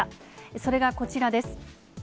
それがこちらです。